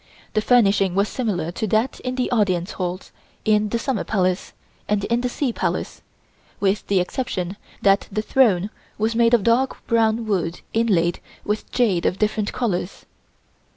The furnishing was similar to that in the Audience Halls in the Summer Palace and in the Sea Palace, with the exception that the throne was made of dark brown wood inlaid with jade of different colors.